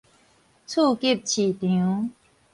次級市場